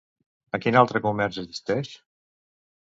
A quin altre comerç assisteix?